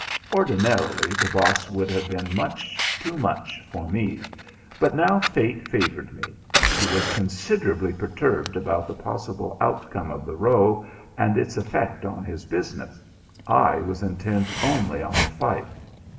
Ordinarily, the Boss would have been much too much for me; but now fate favoured me. He was considerably perturbed about the possible outcome of the row and its effect on his business; I was intent only on the fight.